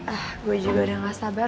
ah gue juga udah gak sabar